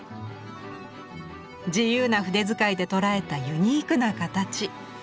自由な筆使いでとらえたユニークな形。